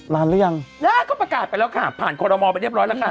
นานหรือยังนานก็ประกาศไปแล้วค่ะผ่านคอรมอลไปเรียบร้อยแล้วค่ะ